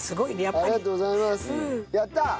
やったー！